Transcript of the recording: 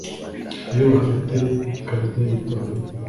iyo bafite ikarita y’itora